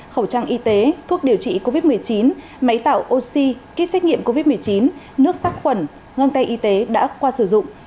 khẩu trang y tế thuốc điều trị covid một mươi chín máy tạo oxy kit xét nghiệm covid một mươi chín nước sát khuẩn ngăn tay y tế đã qua sử dụng